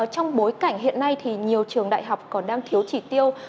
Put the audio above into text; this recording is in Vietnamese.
trong bối cảnh hiện nay thì nhiều trường đại học còn đang thiếu chỉ tiêu